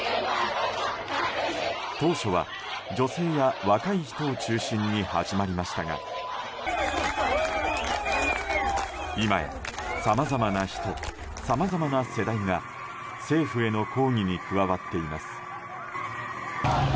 当初は、女性や若い人を中心に始まりましたが今やさまざまな人さまざまな世代が政府への抗議に加わっています。